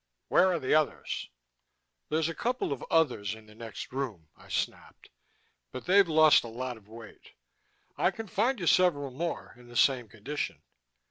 "Where are the others?" "There's a couple of 'others' in the next room," I snapped. "But they've lost a lot of weight. I can find you several more, in the same condition.